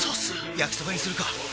焼きそばにするか！